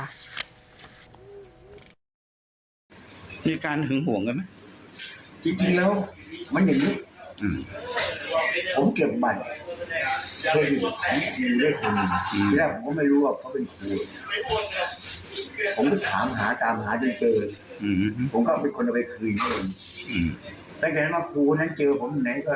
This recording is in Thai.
ผมก็เป็นคนเอาไปคุยกันตั้งแต่ว่าครูเค้านั้นเจอผมไหนก็